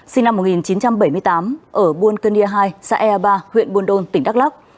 sinh năm một nghìn chín trăm bảy mươi tám ở buôn cơn nia hai xã ea ba huyện buôn đôn tỉnh đắk lắc